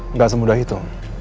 nggak semudah itu